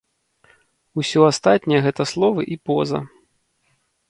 Усё астатняе гэта словы і поза.